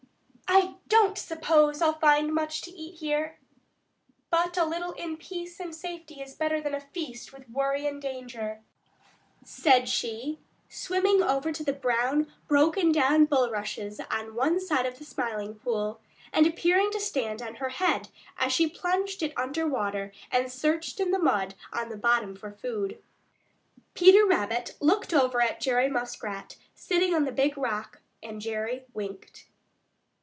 "I don't suppose I'll find much to eat here, but a little in peace and safety is better than a feast with worry and danger," said she, swimming over to the brown, broken down bulrushes on one side of the Smiling Pool and appearing to stand on her head as she plunged it under water and searched in the mud on the bottom for food. Peter Rabbit looked over at Jerry Muskrat sitting on the Big Rock, and Jerry winked.